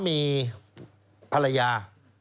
มีภรรยา